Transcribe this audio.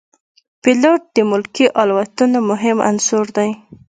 پیلوټ د ملکي الوتنو مهم عنصر دی.